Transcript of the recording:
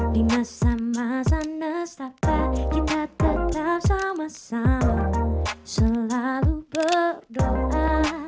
di masa masa nasabah kita tetap sama sama selalu berdoa